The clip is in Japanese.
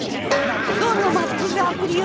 どんなマッチングアプリよ。